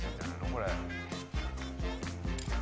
これ。